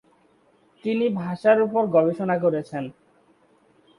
তিনি ভাষার উপর গবেষণা করেছেন।